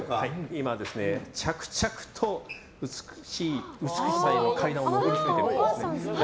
今、着々と美しさへの階段を上り詰めてるところです。